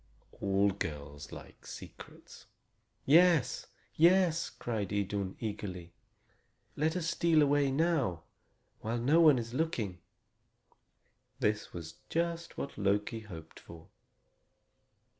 All girls like secrets. "Yes yes!" cried Idun eagerly. "Let us steal away now, while no one is looking." This was just what Loki hoped for.